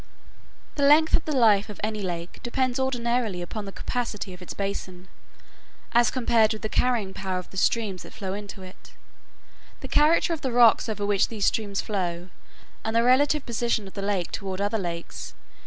The length of the life of any lake depends ordinarily upon the capacity of its basin, as compared with the carrying power of the streams that flow into it, the character of the rocks over which these streams flow, and the relative position of the lake toward other lakes.